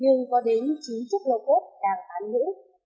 nhưng có đến chín chiếc lô cốt đang bán ngữ